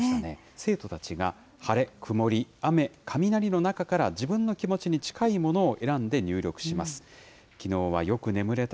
生徒たちが、晴れ、曇り、雨、雷の中から自分の気持ちに近いものを選んで入力しました。